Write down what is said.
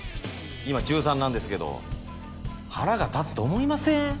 今中３なんですけど腹が立つと思いません？